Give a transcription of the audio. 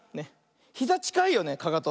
ひざちかいよねかかと。